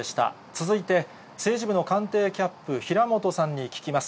続いて、政治部の官邸キャップ、平本さんに聞きます。